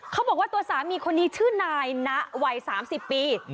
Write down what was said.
เขาบอกว่าตัวสามีคนนี้ชื่อนายนะวัย๓๐ปี